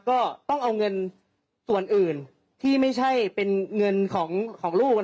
ก็ต้องเอาเงินส่วนอื่นที่ไม่ใช่เป็นเงินของลูก